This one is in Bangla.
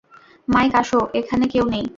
মাইক আসো, এখানে কেউ নেই।